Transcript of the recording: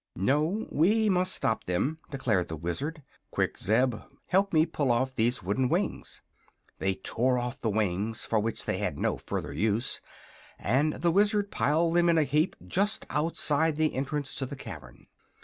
"No; we must stop them," declared the Wizard. "Quick Zeb, help me pull off these wooden wings!" They tore off the wings, for which they had no further use, and the Wizard piled them in a heap just outside the entrance to the cavern.